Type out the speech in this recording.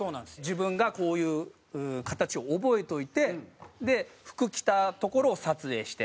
自分がこういう形を覚えておいて服着たところを撮影して。